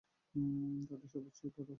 তাতেই সব চেয়ে ভয় হয়।